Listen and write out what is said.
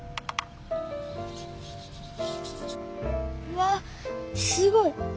うわっすごい！